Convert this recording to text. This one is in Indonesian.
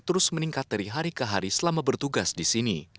terus meningkat dari hari ke hari selama bertugas di sini